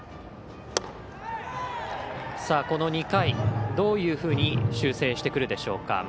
この２回、どういうふうに修正してくるでしょうか。